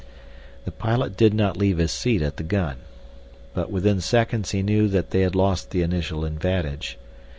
The pilot did not leave his seat at the gun. But within seconds he knew that they had lost the initial advantage.